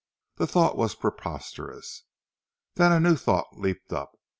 The thought was preposterous. Then a new thought leaped up.